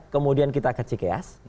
kemudian kita ke cks